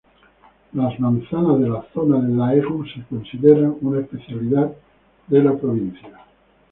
Las manzanas de la zona de Daegu se consideran una especialidad de la provincia.